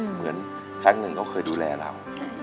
เหมือนครั้งหนึ่งเขาเคยดูแลเรา